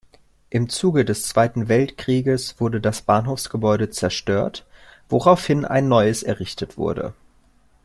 Im Zuge des Zweiten Weltkrieges wurde das Bahnhofsgebäude zerstört, woraufhin ein neues errichtet wurde.